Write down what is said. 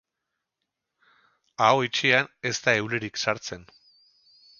Aho itxian ez da eulirik sartzen.